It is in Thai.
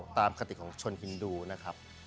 คติของชนฮินดูนะครับ